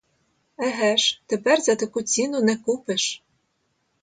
Еге ж, тепер за таку ціну не купиш!